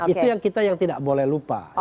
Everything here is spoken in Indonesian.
itu yang kita yang tidak boleh lupa